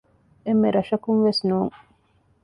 އެންމެ ރަށަކުން ވެސް ނޫން